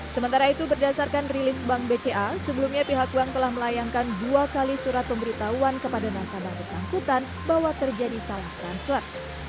sementara itu berdasarkan rilis bank bca sebelumnya pihak bank telah melayangkan dua kali surat pemberitahuan kepada nasabah bersangkutan bahwa terjadi saling transfer